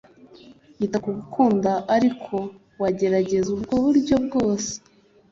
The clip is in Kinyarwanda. yita gukundwa ari uko wagerageza ubwo buryo bwose